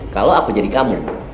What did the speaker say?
kalau aku jadi kamu